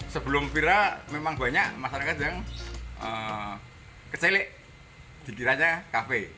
sebelum viral memang banyak masyarakat yang kecilik dikiranya kafe